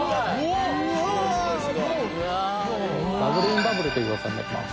バブルインバブルという技になります。